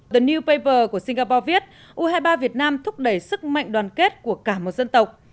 the new paper của singapore viết u hai mươi ba việt nam thúc đẩy sức mạnh đoàn kết của cả một dân tộc